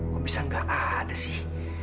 kok bisa nggak ada sih